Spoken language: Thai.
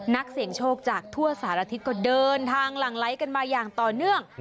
นักเสี่ยงโชคจากทั่วสารทิศก็เดินทางหลั่งไหลกันมาอย่างต่อเนื่อง